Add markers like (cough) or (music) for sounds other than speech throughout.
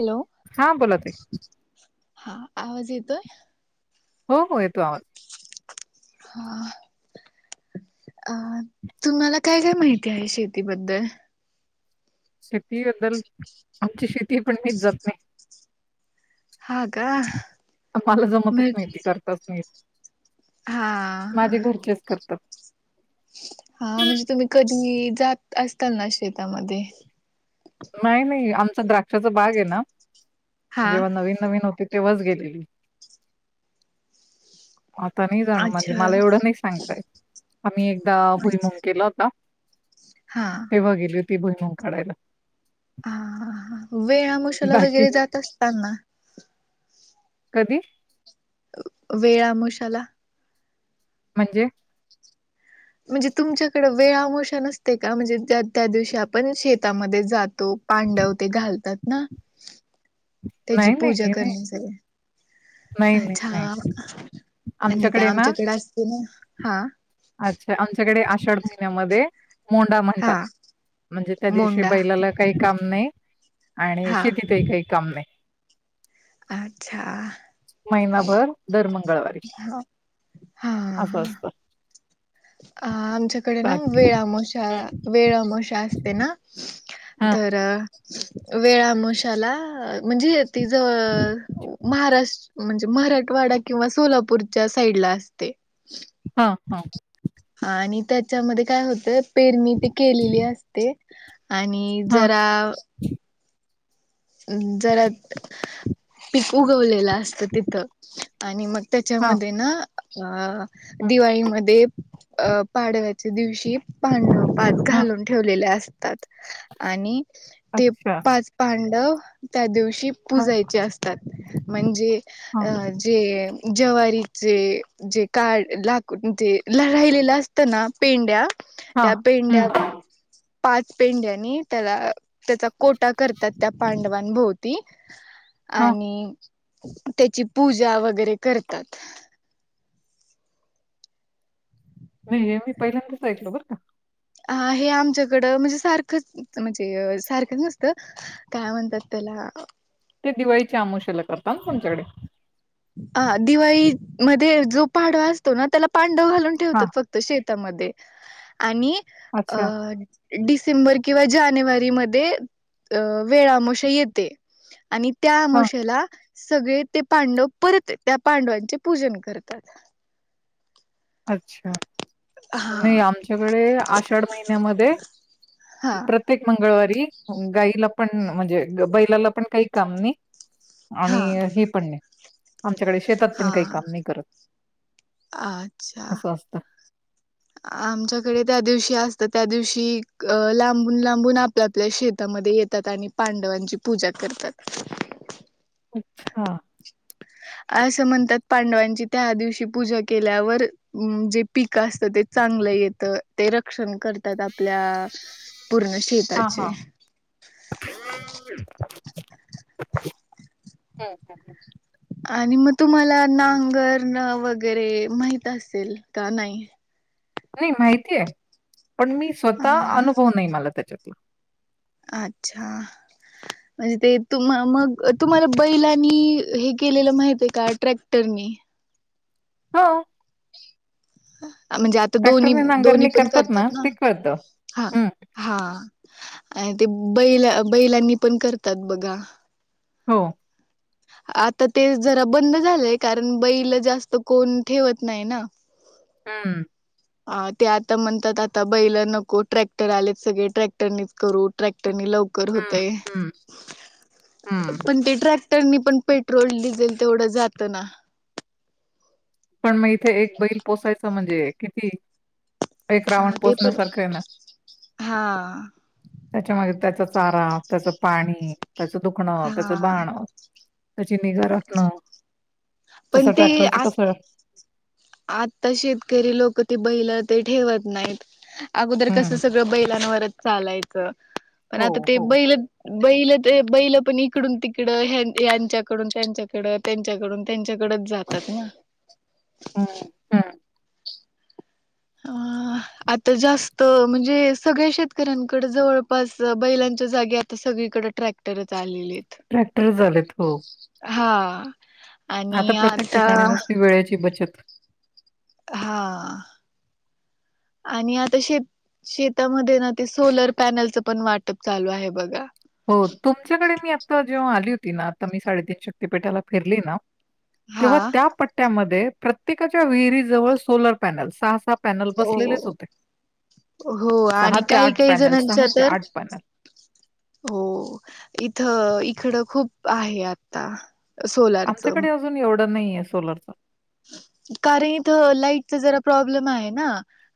Hello हा बोला ताई. हा आवाज येतोय? हो हो येतो आवाज. हा. अ तुम्हाला काय काय माहिती आहे शेतीबद्दल? शेतीबद्दल आमची शेती हाय पण मीच जात नाही. हा का मला जमतच म नाही ते करताच नाही येत. हा माझे घरचेच करतात. हा म्हणजे तुम्ही कधी जात असताल ना शेतामध्ये? नाही नाही आमचा द्राक्षाचा भाग आहे ना, हा जेव्हा नवीन नवीन होते तेव्हाच गेलेली. आता नाही जाणू म्हणजे अच्छा मला एवढं नाही सांगतायेत आम्ही एकदा अच्छा भुईमूग केला होता. हा तेव्हा गेली होती भुईमूग काढायला. हा हा ह वेळा अमोशाला बाकी वगैरे नाही. जात असताना. कधी? वेळा आमोशाला? म्हणजे? म्हणजे तुमच्याकडे वेळाआमोषा नसते का म्हणजे त्या दिवशी आपण शेतामध्ये जात तो पांडव ते घालतात ना त्याची नाही, नाही पूजा हे नाही. करण्या नाही, नाही, अच्छा नाही आणि त्या आमच्याकडे असते ना हा. अच्छा आमच्याकडे आषाढ महिन्या मध्ये मोंडा हा म्हणतात म्हणे त्या दि मोंडा बैला ला काय काम नाही आणि हा शेतीतही काही काम नाही. अच्छा. महिनाभर दर मंगळवारी हा असं असतं. अ आमच्याकडे ना बाकी वेळआमोशा वेळआमोशा असते ना. हा तर वेळाआमोशाला म्हणजे तिज महाराष्ट्र म्हणजे मराठवाडा किंवा सोलापूरच्या साईडला असते. हा हा. आणि त्याच्यामध्ये काय होतं पेरणी ती केलेली असते. आणि हा जरा जरा पीक उगवलेलं असत तिथं आणि मग हा त्याच्यामध्ये ना अ दिवाळीमध्ये अ पाडव्या दिवशी पान पात हा घालून ठेवलेले असतात. आणि ते अच्छा पाच पांडव त्या दिवशी हा पूजायची असतात. म्हणजे हा जे जवारीचे जे काड लाक जे राहिलेलं असतना पेंड्या. हा त्या पेढ्या हम्म पाच पेंड्यानी त्याला त्याचा कोटा करतात त्या पांडवांभोवती हा आणि त्याची पूजा वगैरे करतात. नाहीे मी पहिल्यांदाच ऐकलो बरं का. हा हे आमच्याकडं म्हणजे सारखंच म्हणजे सारखं नसतं काय म्हणतात त्याला. हा. ते दिवाळीच्या आमुशाला करतात ना तुमच्याकडे. अ दिवाळी मध्ये जो पाड असतो ना त्याला पांडव घालून हा ठेवतात फक्त शेत तामध्ये आणि अ अच्छा डि सेंबर किंवा जानेवारी म वेळामोशा येते आणि हा त्याआमशेला सगळे ते पांडव परत त्या पांडवांचे पूजन करतात. अच्छा. नाही हा आमच्याकडे आषाढ महिन्यामध्ये हा प्रत्येक मंगळवारी गाईला पण म्हणजे बैलाला पण काही काम नाही. आणि हा हे पण नाही. आमच्याकडे शेतात पण हा काही काम नाही करत. अच्छा असं असतं आमच्याकडे त्या दिवशी अस तर त्या दिवशी अ लांबून लांबून आपल्यापल्या शेतामध्ये येतात आणि पांडवांची पूजा करतात. अच्छा. असं म्हणतात पांडवांची त्या दिवशी पूजा केल्यावर जे पीक असत ते चांगलं येत ते रक्षण करतात आपल्या पूर्ण हा शेताचे. हा (inaudible) हम्म. हम्म. आणि मग तुम्हाला नांगर वगैरे माहित असेल का नाही. नाही माहिती आहे पण मी स्वतः हा अनुभव नाही मला त्याच्यातला. अच्छा. म्हणजे ते तुम मग तुम्हाला बैलानी हे केलेलं माहित आहे का ट्रॅक्टरनी. हा. (inaudible) म्हणजे आता दोन्ही दोन्ही नांगरणी पण करतात ना, ते कळतं. हा हं, हा. आणि ते बैला बैलांनी पण करतात बघा. हो. (inaudible) आता ते जरा बंद झालंय कारण बैल जास्त कोण ठेवत नाही ना. हम्म. ह ते आता म्हणतात आता बैला नको ट्रॅक्टर आलेत सगळे ट्रॅक्टरनेच करू ट्रॅक्ट रने लवकर हं, होतय हं, हं. पण ते ट्राक रनी पण पेट्रोल डिझेल तेवढं जात ना. पण मग इथे एक बैल पोसायचं म्हणजे किती एक राऊंड हा ते पण पोचण्यासारखं आहे ना हा त्याच्या माग त्याचाच चारा त्याचं पाणी त्याच दुखणं त्याच हा बाण त्याची निगा राखणं तस पण ते ट्रॅक्टर तर आ कसं आता शेतकरी लोकं ते बैल ते ठेवत नाहीत. अगोदर कस हं. सगळं बैलांवरच चालायचं. पण हो, आता ते हो. बैल बैल ते बैल पण इकडून तिकड यांच्याकडून त्यांच्याकड, त्यांच्याकडून त्यांच्याकड जातात ना. हम्म हम्म. ह आता जास्त म्हणजे सगळ्या शेतकऱ्यांकड जवळपास बैलांच्या जागी आता सग इकड ट्रॅक्टरच आलेली आहेत. ट्रॅक्टर झालेत हो. हा आता प्रत्येक ठिकाणी नुसती वेळेची बचत. हा आणि आता शेत शेतामध्ये ना ते सोलर पॅनलचं पण वाटप चालू आहे बघा. हो तुमच्याकडे मी आता जेव्हा आली होती ना आता मी साडेतीीन शक्तीपीठाला फिरली ना. हा तेव्हा त्या पट्ट्यामध्ये प्रत्येकाच्या विहिरी जवळ सोलर पॅनल सहा सहा पॅनल बसलेलेच हो होते. हो आणि ते काही काही पॅनल, जणांचा ते तर पॅनल. हो इथं इकडं खूप आहे आता सोलारचं. नाही आहे सोलरचा. कारण इथं लाईट जरा प्रॉब्लेम आहे ना.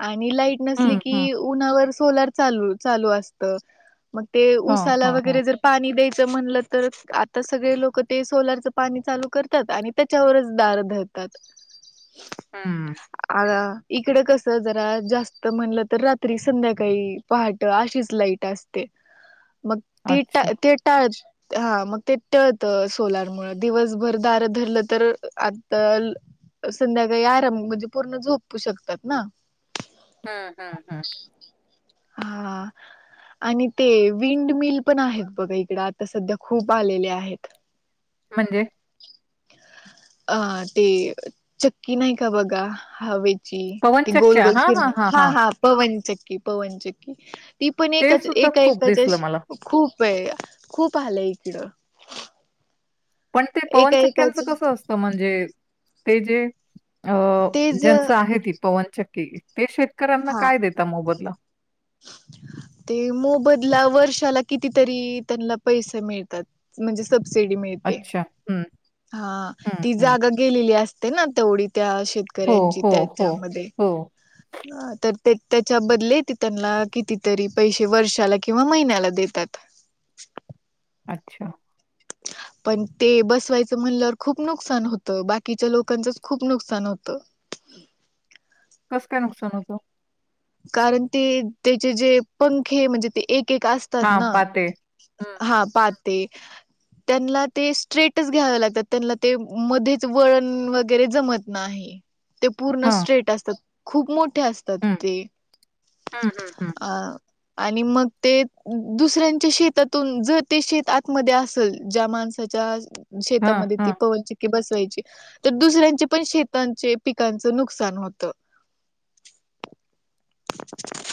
आ णि लाईट नसली हं, की हं. उन्हावर सोलार चाल चालू असतं. मग ते हां, ऊसाला हां, हां. वगैरे जर पाणी द्यायचं म्हणलं तर आता सगळे लोक ते सोलारच पाणी चालू करतात आणि त्याच्यावरच दार धर तात. हम्म. इकडं कस जरा जास्त म्हणलं तर रात्री संध्याकाळी पहाट अशीच लाईट. असते मग त अच्छा. ते टाळ हा मग ते टळत सोलार मुळ दिवसभर दार धरलं तर आ तर संध्याकाळी आराम म्हणजे पूर्ण झोपू शकतात ना. हं, हं, हं. हा. आणि ते विंड मिल पण आहेत बघा इकड आता सध्या खूप आलेले आहेत. म्हणजे? अ ते चक्की नाही का बघा हवे ची ती गोल पवनचक्क्या गोल हां, फि हां, हां, हा हां. हा पवनचक्की पवनचक्की ती पण ते एकच सुद्धा एका खूप एकाची दिसलं मला. खूप प खूप आलं इकडं. पण ते एका पवनचक्क्यांचं एकाच कसं असतं म्हणजे ते जे अ तेच ज्यांचं आहे ती पवनचक्की ते शे हा ते मोबदलावर र्षाला कितीतरी त्यांना पैसे मिळतात म्हणजे सब अच्छा हम्म. हा ती जागा गेलेली असते ना तेवढी त्या हो, शेतकऱ्यांची हो, हो, त्याच्यामध्ये. हो. तर ते त्याच्या बदले ते त्यांना कितीतरी पैसे वर्षाला किंवा महिन्याला देतात. (inaudible) अच्छा. (inaudible) पण ते बसवायचं म्हणल्यावर खूप नुकसान होतं बाकीच्या लोकांचंच खूप नुकसान होतं. (inaudible) कसं काय नुकसान होतं. कारण ते त्याचे जे पंखे म्हणजे ते एक एक असतात हां, ना पाते. हं, हा पाते. त्यांना ते स्ट्रेटच घ्या लागतात त्यां ते मध्येच वळण वगैरे जमत नाही. ते पूर्ण हां, स्ट्रेट असतात खूप मोठे असतात. हं, ते. हं, हं, हं. अं आणि मग ते दुसऱ्यांच्या शेतातून जर ते शेत आतमध्ये असेल ज्या माणसा त्या हां, शेतामध्ये ती हां. पवनचक्की बस व्हायची तर दुसऱ्यांचे पण शेतांचे, पिकांच नुकसान होत. (inaudible)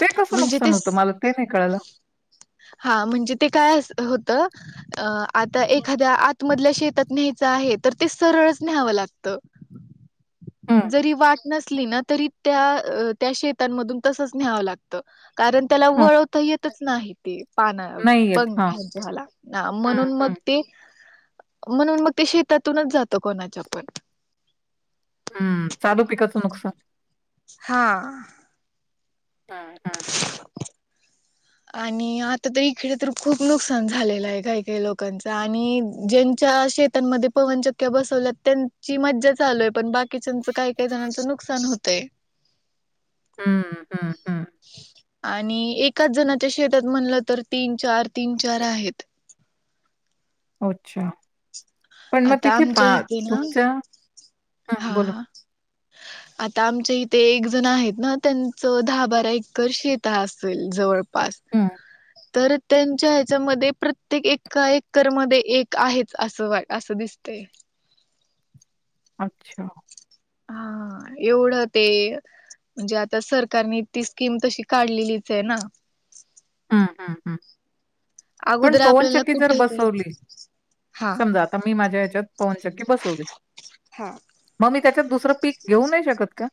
ते कसं म्हणजे ते नुकसान होतं? मला ते नाही कळालं. हा, म्हणजे ते काय अस होत आता हं, एखाद्या आतमधल्या शेतात न्यायचं आहे तर ते सरळच न्यावं लागतं. हं, जरी वाट नसली ना तरी त्या अ त्या शेत त्यांमधून तसंच न्ह्यावं लागत. कारण त्याला हं. वळवता येतच नाही ते पान नाही येत. हां. पंख्यांच्याला ना हं, म्हणून मग हं, ते म्हणून मग ते शेतातूनच जात कोणाच्या पण. हम्म चालू पिकाचं नुकसान. हा. हं, हं, हं. (inaudible) आणि आता तर इखेडे तर खूप नुकसान झालेलं आहे काही काही लोकांच आणि ज्यांच्या शेतांमध्ये पवनचक्क्या बसवल्या त्यांची मज्जा चालूय पण बाकीच्याच काही काही जणाच नुकसा न होतय. हम्म हम्म हम्म. आणि एकाच जणाच्या शेतात म्हणलं तर तीन चार तीन चार आहेत. अच्छा पण मग आता तिथे आमच्या पा इथे ना तुमच्या हं, बोला. हा आता आमच्या इथे एक जण आहेत ना त्यां च दहा हं, बारा एकरर् शेत असेल जवळपास. हं. तर त्यांच्या ह्याच्यामध्ये प्रत्येक एका एकर मध्ये एक आहेच अस वा असं दिसतय. (inaudible) अच्छा. हा एवढं ते म्हणजे आता सरकारने ती स्कीम तशी काढलेलीच ए ना. ह ह ह पण अगोदर आपल्याला पवनचकी जर कुठे ते बसवली हा समजा आता मी माझ्या ह्याच्यात पवनचक्की बसवली. हां. मग मी त्याच्यात दुसरं पीक घेऊ नाही शकत का?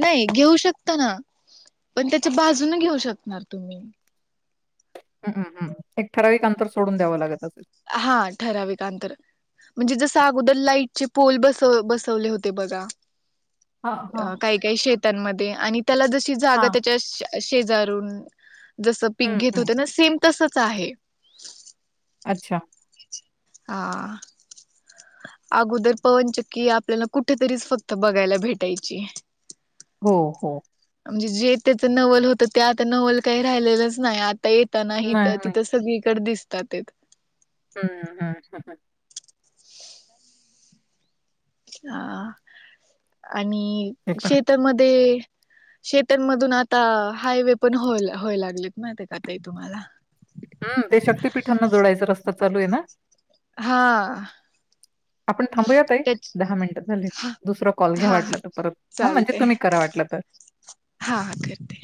नाई घेऊ शकत ना. पण त्याच्या बाजून घेऊ शकणार तुम्ही. हम्म हम्म हम्म एक ठराविक अंतर सोडून द्यावं लागल. हा ठराविक आंतर. म्हणजे जस अगोदर लाईट चे पोल बस बसवले होते बघा. हां, हां, काही काही शेत तांमधे आणि त्याला जशी जागा हां. त्याच्या शे शेजारून जस पीक हं, घेत हं. होते ना सेम तसच आहे. अच्छा. हा. अगोदर पवनचक्की आपल्याला कुठेतरीच फक्त बघायला भेटायची. हो हो. म्हणजे जे त्याच नवल होतं ते आता नवल काही राहिलेलंच नाही. आता ए ताणा हिथ नाही, तिथं सगळीकड दिसतात येत. हम्म हम्म हम् हम. हा आणि ते पण आहे. शेतामध्ये शेतांमधून आता हायवे पण होय होय लागलेत ना ते का ताई तुम्हाला. हम् ते शक्ततीपीठांना जोडायचा रस्ता चालू ए ना. हा. आपण थांबूयात ताई, त्या दहा मिनिटं झाले हा दुसरा कॉल घ्या हा वाटलं तर परत. ह म्हणजे चालते तुम्ही करा वाट वाटलं तर. हा हा करते.